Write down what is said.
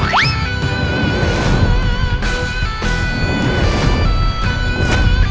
tuh siar putraku